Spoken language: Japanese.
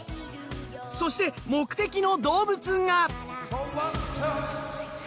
そして目的の動物が。